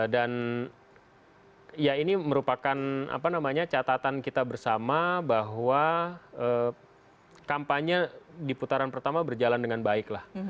dan ya ini merupakan catatan kita bersama bahwa kampanye di putaran pertama berjalan dengan baik lah